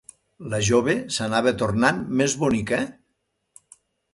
La jove s'anava tornant més bonica?